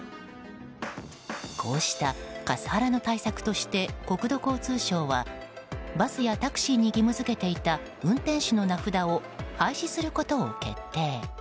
こうしたカスハラの対策として国土交通省はバスやタクシーに義務付けていた運転手の名札を廃止することを決定。